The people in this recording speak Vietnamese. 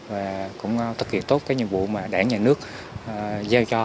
và cũng thực hiện tốt cái nhiệm vụ mà đảng nhà nước giao cho